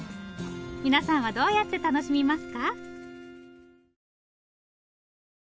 皆さんはどうやって楽しみますか。